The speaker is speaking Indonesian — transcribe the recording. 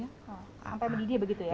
jadi sudah mendidih begitu ya